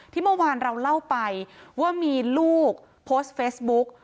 เมื่อวานเราเล่าไปว่ามีลูกโพสต์เฟซบุ๊ก